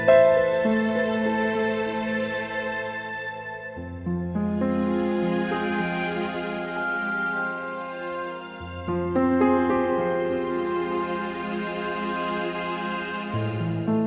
bu aku mau pergi ke rumah